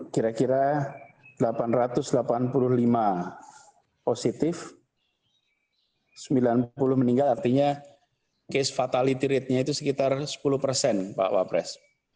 kira kira delapan ratus delapan puluh lima positif sembilan puluh meninggal artinya case fatality ratenya itu sekitar sepuluh persen pak wapres